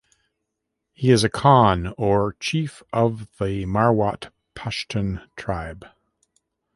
He is a Khan, or Chief of the Marwat Pashtun tribe.